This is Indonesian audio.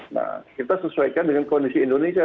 nah kita sesuaikan dengan kondisi indonesia